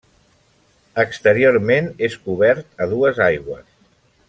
Exteriorment és cobert a dues aigües.